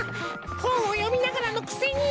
ほんをよみながらのくせに！